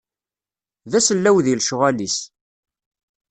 D asellaw di lecɣal-is.